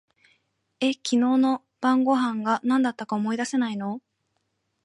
え、昨日の晩御飯が何だったか思い出せないの？